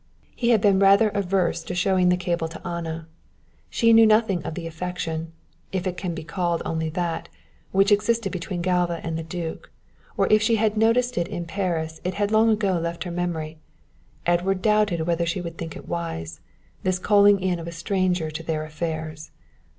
He had been rather averse to showing the cable to Anna. She knew nothing of the affection, if it can be called only that, which existed between Galva and the duke, or if she had noticed it in Paris it had long ago left her memory. Edward doubted whether she would think it wise, this calling in of a stranger to their affairs.